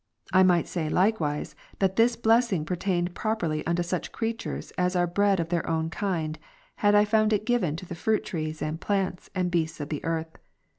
I might say likewise, that this blessing pertained properly unto such creatures, as are bred of their own kind, had I found it given to the fruit trees, and plants, and beasts of the earth.